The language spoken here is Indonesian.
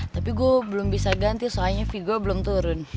tapi gue belum bisa ganti soalnya v gue belum turun